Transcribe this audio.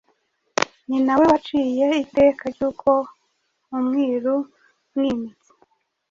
Ni nawe waciye iteka ry’uko Umwiru Mwimitsi